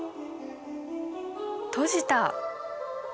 閉じた！